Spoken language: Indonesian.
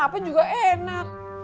apa juga enak